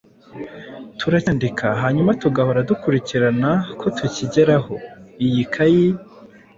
turacyandika hanyuma tugahora dukurikirana ko tukigeraho. Iyi kayi